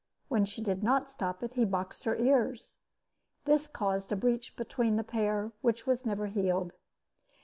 When she did not stop it, he boxed her ears. This caused a breach between the pair which was never healed.